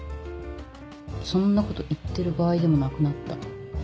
そんなこと言ってる場合でもなくなった。